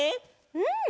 うん！